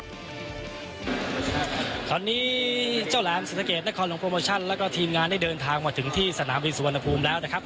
ตอนนี้เจ้าแหลมศรีสะเกดนครหลวงโปรโมชั่นแล้วก็ทีมงานได้เดินทางมาถึงที่สนามบินสุวรรณภูมิแล้วนะครับ